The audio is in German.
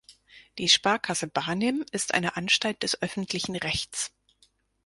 Die Sparkasse Barnim ist eine Anstalt des öffentlichen Rechts.